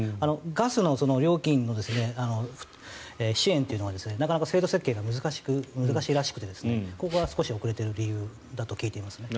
ガスの料金の支援というのはなかなか制度設計が難しいらしくここは少し遅れている理由だと聞いていますね。